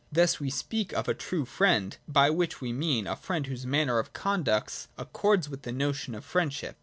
Thus we speak of a true friend ; by which we mean a friend whose manner of conduct accords with the notion of friendship.